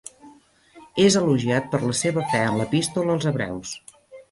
És elogiat per la seva fe en l'Epístola als hebreus.